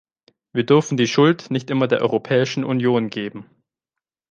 Wir dürfen die Schuld nicht immer der Europäischen Union geben.